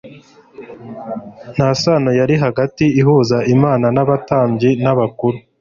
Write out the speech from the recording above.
Nta sano yari hagati ihuza Imana n'abatambyi n'abakuru.